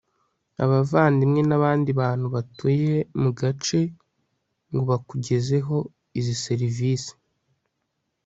abavandimwe n abandi bantu batuye mu gace ngo bakugezeho izi serivise